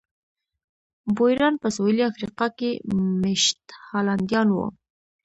بویران په سوېلي افریقا کې مېشت هالنډیان وو.